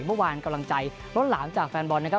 เมื่อวานกำลังใจล้นหลามจากแฟนบอลนะครับ